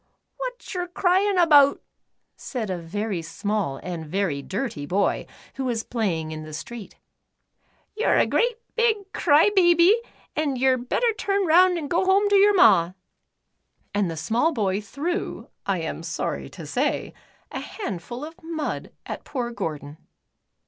"Wot yer cryin' 'bout ?" said a very small and very dirty boy, who was playing in the street. " Yer a great big cry baby, an' yer 'd better turn The N. S. Bicycle. 6i round an' go home ter yer ma," and the small boy threw, I am sorr}^ to say, a handful of mud at poor Gordon.